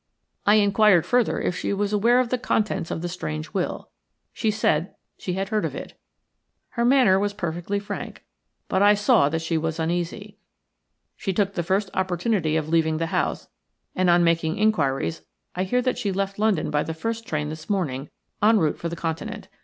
I inquired further if she was aware of the contents of the strange will. She said she had heard of it. Her manner was perfectly frank, but I saw that she was uneasy. She took the first opportunity of leaving the house, and on making inquiries I hear that she left London by the first train this morning, en route for the Continent.